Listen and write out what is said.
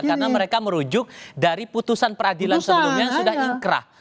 karena mereka merujuk dari putusan peradilan sebelumnya yang sudah ingkrah